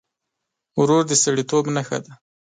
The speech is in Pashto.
ورور د سړيتوب نښه ده.